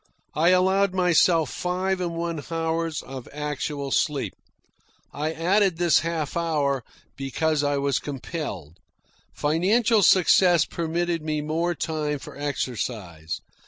I allowed myself five and one half hours of actual sleep. I added this half hour because I was compelled. Financial success permitted me more time for exercise.